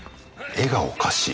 絵がおかしい。